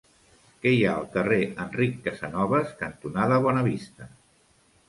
Què hi ha al carrer Enric Casanovas cantonada Bonavista?